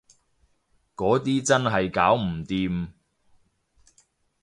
嗰啲真係搞唔掂